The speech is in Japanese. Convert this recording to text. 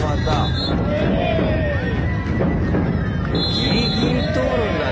ギリギリ通るんだね